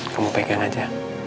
kamu pegang aja